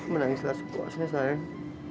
menangislah sepuasnya sayang